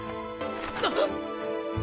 あっ！